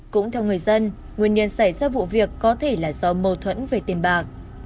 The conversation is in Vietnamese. cũng theo người dân nguyên nhân xảy ra vụ việc có thể là do mâu thuẫn về tiền bạc